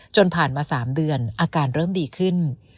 ผ่านมา๓เดือนอาการเริ่มดีขึ้น